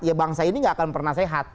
ya bangsa ini gak akan pernah sehat